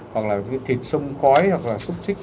hoặc là thịt sông cói hoặc là xúc xích